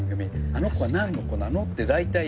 あの子は何の子なの？ってだいたいね。